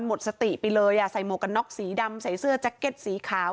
หมดสติไปเลยอ่ะใส่หมวกกันน็อกสีดำใส่เสื้อแจ็คเก็ตสีขาว